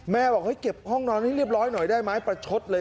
บอกเฮ้ยเก็บห้องนอนให้เรียบร้อยหน่อยได้ไหมประชดเลย